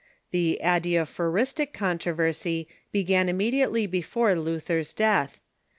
The Adiaphoristic Con tro'oersy began immediately before Lutlier's death.